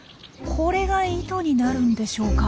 これが糸になるんでしょうか？